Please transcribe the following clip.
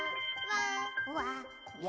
「わ！」